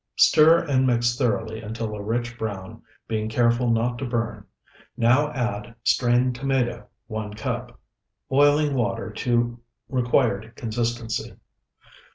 Stir and mix thoroughly, until a rich brown, being careful not to burn. Now add Strained tomato, 1 cup. Boiling water to required consistency.